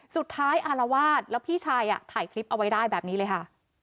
อารวาสแล้วพี่ชายถ่ายคลิปเอาไว้ได้แบบนี้เลยค่ะ